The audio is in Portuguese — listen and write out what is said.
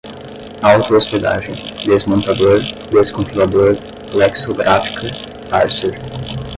auto-hospedagem, desmontador, descompilador, lexicográfica, parser